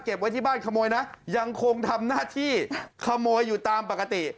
ไว้ที่บ้านขโมยนะยังคงทำหน้าที่ขโมยอยู่ตามปกติ